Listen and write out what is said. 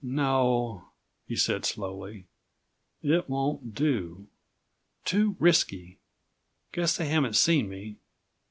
"No," he said slowly, "it won't do. Too risky. Guess they haven't seen me.